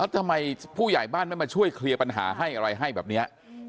ทำไมผู้ใหญ่บ้านไม่มาช่วยเคลียร์ปัญหาให้อะไรให้แบบนี้